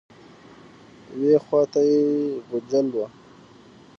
یوې خوا ته یې غوجل وه.